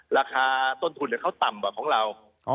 ราคาต้นทุนเขาต่ำกว่าของเรา